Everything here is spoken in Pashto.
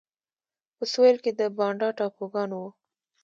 په سوېل کې د بانډا ټاپوګان وو.